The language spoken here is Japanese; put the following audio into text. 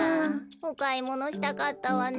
おかいものしたかったわね。